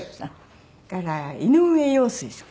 それから井上陽水さん。